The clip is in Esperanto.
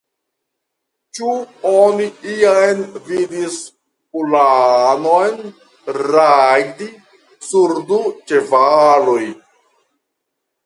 Ĉu oni iam vidis ulanon rajdi sur du ĉevaloj!